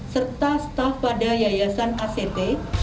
serta staff pada yayasan act